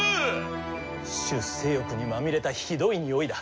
出世欲にまみれたひどいにおいだ。